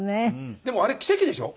でもあれ奇跡でしょ？